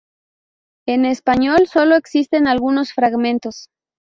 En español solo existen algunos fragmentos.